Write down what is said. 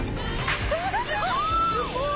すごーい！